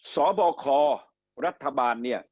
สบครัฐบาลเนี่ย